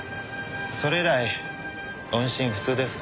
それ以来音信不通です。